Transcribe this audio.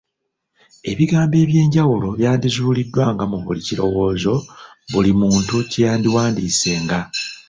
Ebigambo eby'enjawulo byandizuuliddwanga mu buli kirowoozo buli muntu kye yandiwandiisenga.